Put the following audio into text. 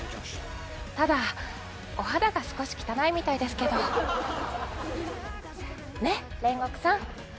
ただお肌が少し汚いみたいですけどねっ煉獄さん